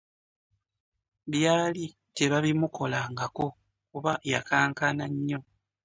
Byali tebabimukolangako kuba yakankana nnyo.